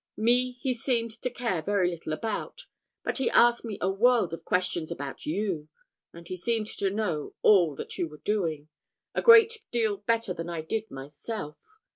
Me he seemed to care very little about, but he asked me a world of questions about you; and he seemed to know all that you were doing, a great deal better than I did myself.